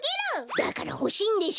だからほしいんでしょ？